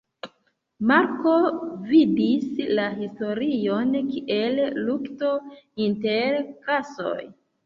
Markso vidis la historion kiel lukto inter klasoj.